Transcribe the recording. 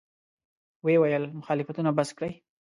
ویې ویل: مخالفتونه بس کړئ.